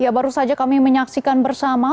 ya baru saja kami menyaksikan bersama